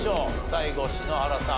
最後篠原さん